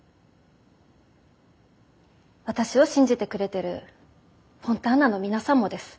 私を信じてくれてるフォンターナの皆さんもです。